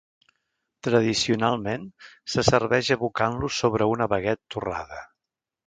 Tradicionalment se serveix abocant-lo sobre una baguet torrada.